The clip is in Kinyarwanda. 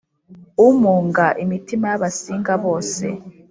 Umunga imitima yabasinga bose